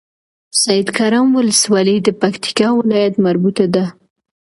سيدکرم ولسوالۍ د پکتيا ولايت مربوطه ده